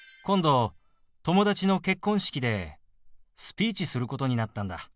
今度友達の結婚式でスピーチすることになったんだ。